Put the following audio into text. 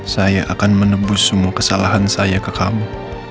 saya akan menebus semua kesalahan saya ke kamu